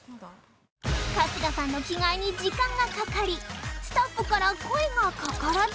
春日さんの着替えに時間がかかりスタッフから声がかからず